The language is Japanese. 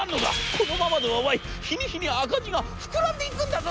『このままではお前日に日に赤字が膨らんでいくんだぞ！』。